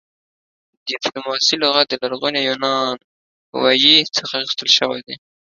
ډيپلوماسۍ لغت د لرغوني يوناني ویي څخه اخيستل شوی دی